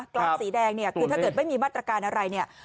กล้องสีแดงเนี่ยคือถ้าเกิดไม่มีมาตรการอะไรเนี่ย